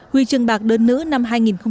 huy chương bạc đơn nữ năm hai nghìn một mươi tám